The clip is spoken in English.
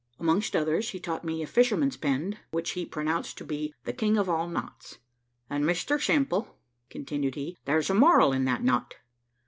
Amongst others, he taught me a fisherman's bend, which he pronounced to be the king of all knots; "and, Mr Simple," continued he, "there's a moral in that knot.